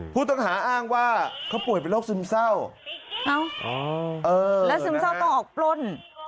ผู้ต้องหาอ้างว่าเขาป่วยเป็นโรคซึมเศร้าและซึมเศร้าต้องออกปล้น